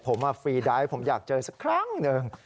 ผมฟรีไดท์ผมอยากเจอสักครั้งหนึ่ง